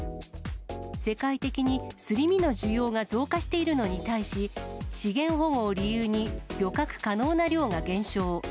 世界的にすり身の需要が増加しているのに対し、資源保護を理由に、漁獲可能な量が減少。